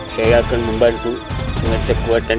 saya akan membantu dengan sekuat tenaga